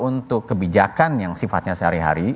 untuk kebijakan yang sifatnya sehari hari